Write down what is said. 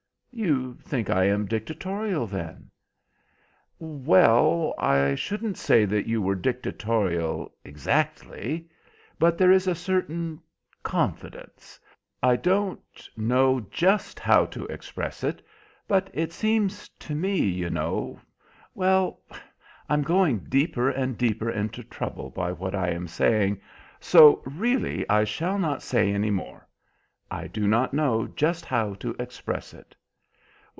"You think I am dictatorial, then?" "Well, I shouldn't say that you were dictatorial exactly. But there is a certain confidence—I don't know just how to express it, but it seems to me, you know—well, I am going deeper and deeper into trouble by what I am saying, so really I shall not say any more. I do not know just how to express it."